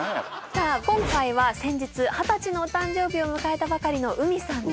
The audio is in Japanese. さあ今回は先日二十歳のお誕生日を迎えたばかりのＵＭＩさんです。